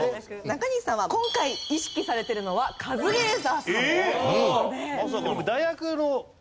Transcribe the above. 中西さんは今回意識されてるのはカズレーザーさんという事で。